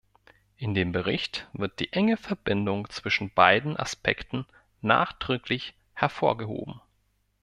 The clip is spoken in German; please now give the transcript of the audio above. In dem Bericht wird die enge Verbindung zwischen beiden Aspekten nachdrücklich hervorgehoben.